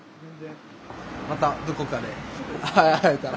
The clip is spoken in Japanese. またどこかで会えたら。